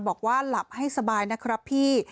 บอกว่าหลับให้สบายนะครับพี่